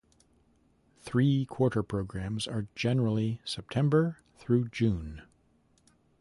Three quarter programs are generally September through June.